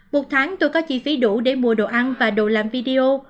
một tháng tôi có chi phí đủ để mua đồ ăn và đồ làm video